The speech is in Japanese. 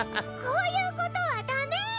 こういうことはダメ！